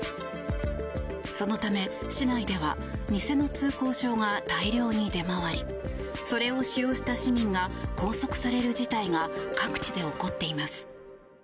そのため、市内では偽の通行証が大量に出回りそれを使用した市民が拘束される事態が各地で起こっています。